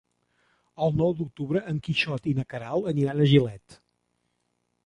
El nou d'octubre en Quixot i na Queralt aniran a Gilet.